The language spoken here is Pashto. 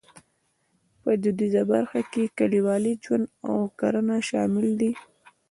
په دودیزه برخه کې کلیوالي ژوند او کرنه شامل دي.